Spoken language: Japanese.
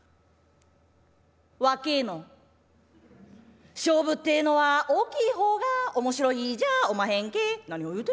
「若えの勝負ってえのは大きい方が面白いんじゃおまへんけ？」。